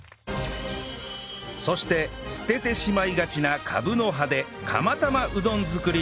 そして捨ててしまいがちなカブの葉で釜玉うどん作り